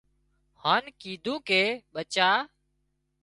هانَ ڪيڌون ڪي ٻچا